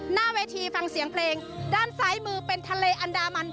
หน้าเวทีฟังเสียงเพลงด้านซ้ายมือเป็นทะเลอันดามัน